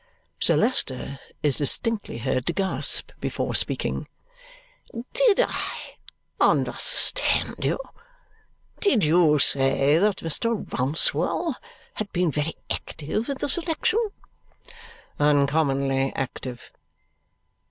Sir Leicester is distinctly heard to gasp before speaking. "Did I understand you? Did you say that Mr. Rouncewell had been very active in this election?" "Uncommonly active."